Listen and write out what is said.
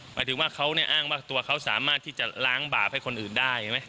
หมายถึงว่าเขาเนี่ยอ้างว่าตัวเขาสามารถที่จะล้างบาปให้คนอื่นได้ใช่ไหม